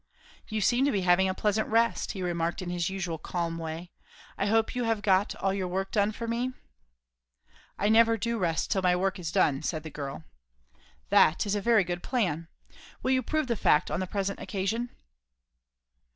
"You seem to be having a pleasant rest," he remarked in his usual calm way. "I hope you have got all your work done for me?" "I never do rest till my work is done," said the girl. "That is a very good plan. Will you prove the fact on the present occasion?"